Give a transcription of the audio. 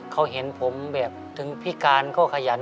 เขาเห็นผมแบบถึงพิการก็ขยัน